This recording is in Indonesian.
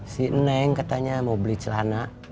si neng katanya mau beli celana